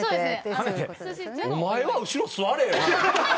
お前は後ろ座れよ。